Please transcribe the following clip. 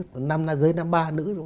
của nam ra dưới nam ba nữ